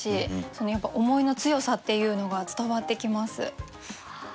そのやっぱ思いの強さっていうのが伝わってきます。